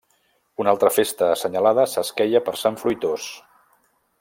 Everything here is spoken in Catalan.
Una altra festa assenyalada s'esqueia per sant Fruitós.